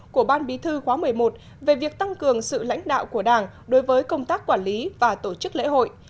của ban bí thư khóa một mươi một về việc tăng cường sự lãnh đạo của đảng đối với công tác quản lý và tổ chức lễ hội